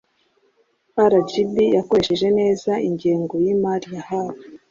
Rgb yakoresheje neza ingengo y imari yahawe